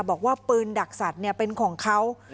บอกว่าปืนดักสัตว์เป็นของเขา